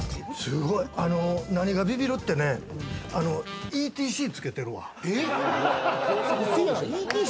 何がびびるってね、ＥＴＣつけてるわ。